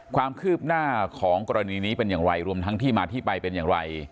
ความคืบหน้าของกรณีนี้เป็นอย่างไรรวมทั้งที่มาที่ไปเป็นอย่างไร